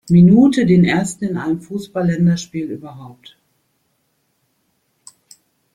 Minute, den ersten in einem Fußballländerspiel überhaupt.